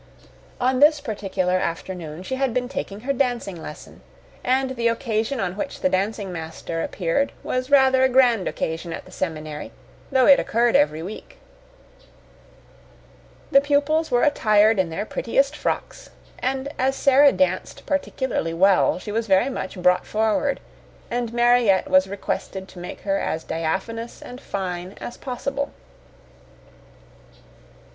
On this particular afternoon she had been taking her dancing lesson, and the afternoon on which the dancing master appeared was rather a grand occasion at the seminary, though it occurred every week. The pupils were attired in their prettiest frocks, and as Sara danced particularly well, she was very much brought forward, and Mariette was requested to make her as diaphanous and fine as possible.